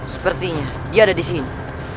sepertinya dia ada disini